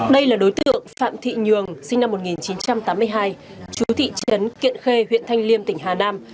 đây là đối tượng phạm thị nhường sinh năm một nghìn chín trăm tám mươi hai chú thị trấn kiện khê huyện thanh liêm tỉnh hà nam